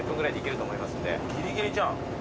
ギリギリじゃん。